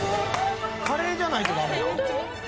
カレーじゃないとダメなん？